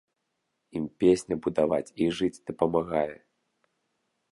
Ім песня будаваць і жыць дапамагае?